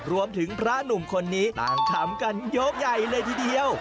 รวมถึงพระหนุ่มคนนี้ต่างขำกันยกใหญ่เลยทีเดียว